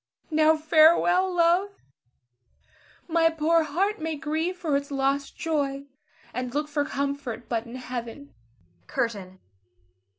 Now farewell, love; my poor heart may grieve for its lost joy, and look for comfort but in Heaven. CURTAIN.